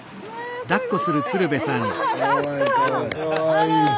かわいい。